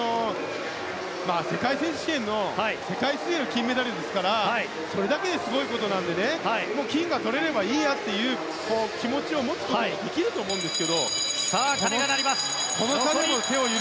世界選手権の世界水泳の金メダルですからそれだけですごいことなので金がとれるだけでいいやという気持ちを持つこともできると思うんです。